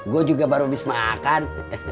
gue juga baru habis makan